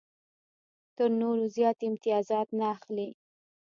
تر نورو زیات امتیازات نه اخلي.